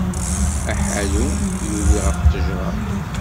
Aḥallum yuli ɣef ttejra.